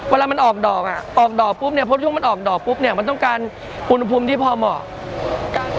เวลามันออกดอกอ่ะออกดอกปุ๊บเนี่ยพอช่วงมันออกดอกปุ๊บเนี่ยมันต้องการอุณหภูมิที่พอเหมาะ